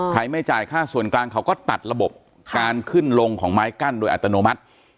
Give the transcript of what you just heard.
ไม่จ่ายค่าส่วนกลางเขาก็ตัดระบบการขึ้นลงของไม้กั้นโดยอัตโนมัติ